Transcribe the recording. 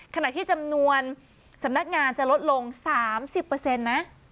ขณะที่จำนวนสำนักงานจะลดลง๓๐นะ